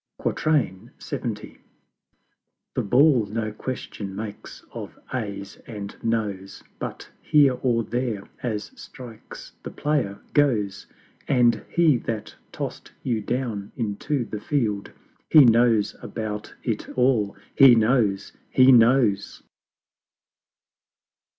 LXX. The Ball no question makes of Ayes and Noes, But Here or There as strikes the Player goes; And He that toss'd you down into the Field, He knows about it all HE knows HE knows!